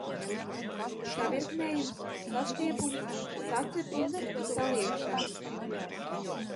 Savirknējums, sastiepums, sacepums, saliekšana.